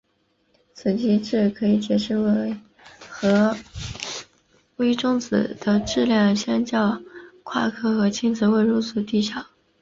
此机制可以解释为何微中子的质量相较夸克和轻子会如此地小。